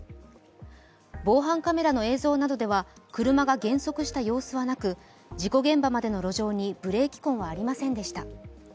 防犯カメラの映像などでは車が減速した様子はなく、事故現場までの路上にブレーキ痕はありませんでした。